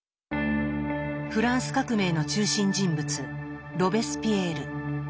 フランス革命の中心人物ロベスピエール。